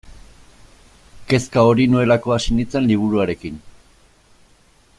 Kezka hori nuelako hasi nintzen liburuarekin.